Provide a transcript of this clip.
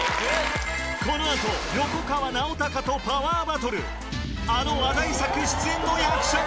この後横川尚隆とパワーバトルあの話題作出演の役者が！